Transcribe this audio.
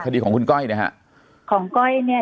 คดีของคุณก้อยนะฮะของก้อยเนี่ย